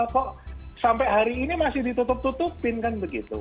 kok sampai hari ini masih ditutup tutupin kan begitu